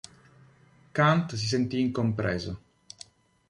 Kant si sentì incompreso.